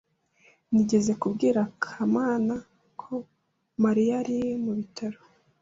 Nigeze kubwira Kamana ko Mariya ari mu bitaro.